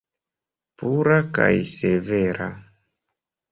Pura kaj severa.